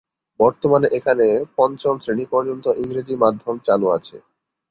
বর্তমানে এখানে পঞ্চম শ্রেণী পর্যন্ত ইংরেজি মাধ্যম চালু আছে।